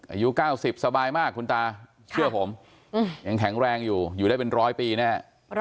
อายุ๙๐สบายมากคุณตาเชื่อผมยังแข็งแรงอยู่อยู่ได้เป็นร้อยปีแน่